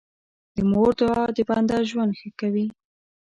د مور دعا د بنده ژوند ښه کوي.